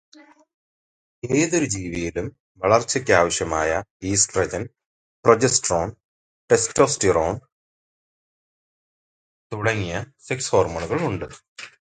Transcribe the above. ഏതൊരു ജീവിയിലും വളർച്ചയ്ക്ക് ആവശ്യമായ ഈസ്റ്റ്രജൻ, പ്രോജെസ്റ്റെറോൻ, റെസ്റ്റോസ്റ്റിറോൻ തുടങ്ങിയ സെക്സ് ഹോർമോണുകൾ ഉണ്ട്.